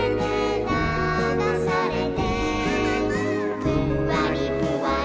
「ぷんわりぷわり」